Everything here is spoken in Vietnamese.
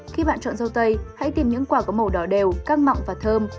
khi bạn chọn rau tây hãy tìm những quả có màu đỏ đều căng mọng và thơm